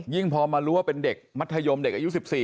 พอมารู้ว่าเป็นเด็กมัธยมเด็กอายุ๑๔